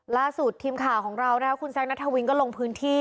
ล่าสุดทีมข่าวของเรานะครับคุณแซคนัทวินก็ลงพื้นที่